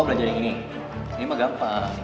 belajar yang ini ini mah gampang